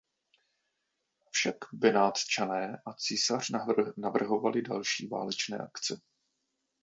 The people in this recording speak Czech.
Avšak Benátčané a císař navrhovali další válečné akce.